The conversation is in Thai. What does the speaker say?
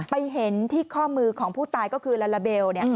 ไปเห็นที่ข้อมือของผู้ตายก็คือลาลาเบล